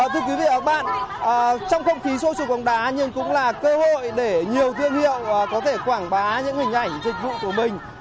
thưa quý vị và các bạn trong không khí sôi sụp bóng đá nhưng cũng là cơ hội để nhiều thương hiệu có thể quảng bá những hình ảnh dịch vụ của mình